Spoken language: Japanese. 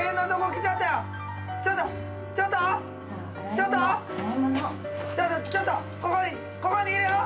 ちょっとここにここにいるよ！